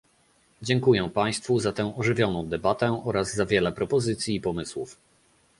Dziękuję państwu za tę ożywioną debatę oraz za wiele propozycji i pomysłów